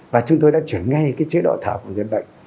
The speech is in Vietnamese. và chúng tôi đã chuyển ngay cái chế độ thả của người bệnh